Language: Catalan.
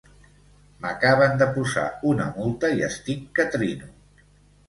M'acaben de posar una multa i estic que trino.